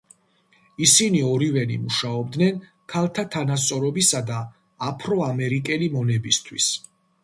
ისინი ორივენი მუშაობდნენ ქალთა თანასწორობისა და აფრო-ამერიკელი მონებისთვის.